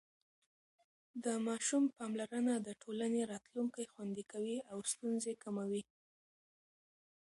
د ماشوم پاملرنه د ټولنې راتلونکی خوندي کوي او ستونزې کموي.